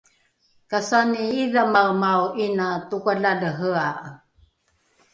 kasani idhamaemao ’ina tokalalehea’e